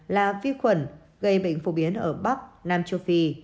là vi khuẩn gây bệnh phổ biến ở bắc nam châu phi